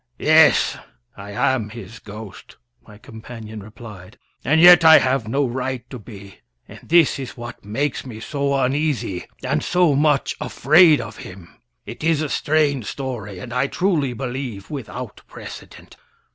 "Yes, I am his ghost," my companion replied, "and yet I have no right to be. And this is what makes me so uneasy, and so much afraid of him. It is a strange story, and, I truly believe, without precedent.